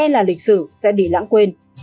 lịch sử sẽ bị lãng quên